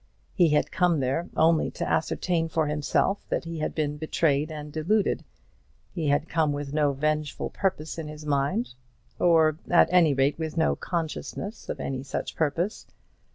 He had come there, only to ascertain for himself that he had been betrayed and deluded; he had come with no vengeful purpose in his mind; or, at any rate, with no consciousness of any such purpose.